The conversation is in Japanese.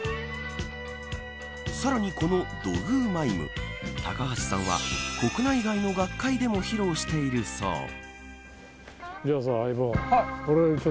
さらに、この土偶マイム高橋さんは国内外の学会でも披露しているそう。